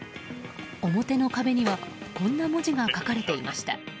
表の壁にはこんな文字が書かれていました。